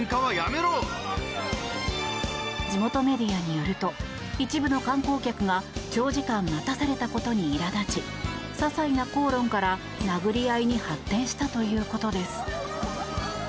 地元メディアによると一部の観光客が長時間待たされたことにいら立ちささいな口論から殴り合いに発展したということです。